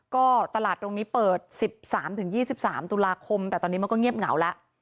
ก็ตลาดตรงนี้เปิด๑๓๒๓ตุลาคมแต่ตอนนี้มันก็เงียบเหงาแล้ว